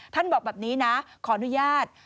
บอกแบบนี้นะขออนุญาต